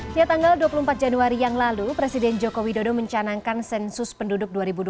sejak tanggal dua puluh empat januari yang lalu presiden joko widodo mencanangkan sensus penduduk dua ribu dua puluh